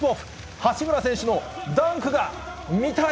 八村選手のダンクが見たい。